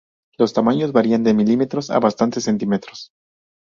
Los tamaños varían de milímetros a bastantes centímetros.